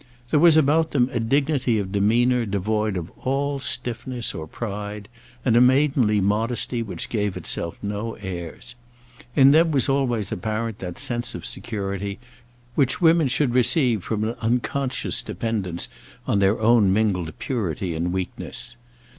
There was about them a dignity of demeanour devoid of all stiffness or pride, and a maidenly modesty which gave itself no airs. In them was always apparent that sense of security which women should receive from an unconscious dependence on their own mingled purity and weakness.